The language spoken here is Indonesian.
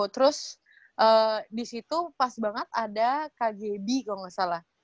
terus disitu pas banget ada kgb kalo gak salah